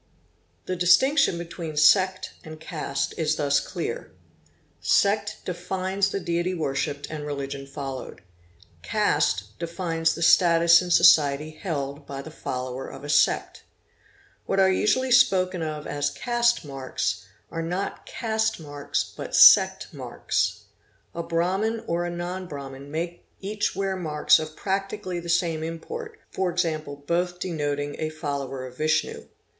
The distinction between sect and caste is thus clear. Sect defines the deity worshipped and religion followed. Caste defines the status in society held by the follower of a sect. What are usually spoken of as caste marks are not caste marks but sect marks. A Brahmin or a non Brahmin may each wear marks of practically the same import, e.g., both denoting a follower of Vishnu.